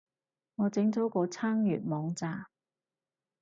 我整咗個撐粵網站